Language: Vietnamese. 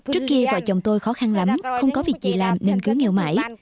trước kia vợ chồng tôi khó khăn lắm không có việc gì làm nên cứ nghèo mãi